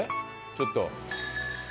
ちょっと。